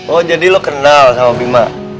oh jadi lo kenal sama bima